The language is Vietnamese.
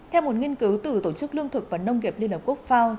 theo một nghiên cứu từ tổ chức lương thực và nông nghiệp liên lạc quốc phao